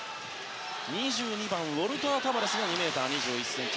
２２番、ウォルター・タバレスが２ｍ２１ｃｍ。